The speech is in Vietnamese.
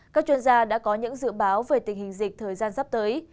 các chuyên gia đã có những dự báo về tình hình dịch thời gian sắp tới